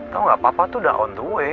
tau nggak papa tuh udah on the way